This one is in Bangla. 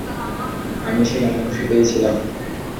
আমি সেখানে খুশিতেই ছিলাম।